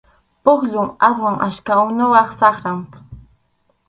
Pukyum aswan achka unuyuq, saqrap.